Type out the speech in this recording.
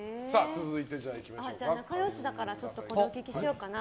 仲良しだからこれをお聞きしようかな。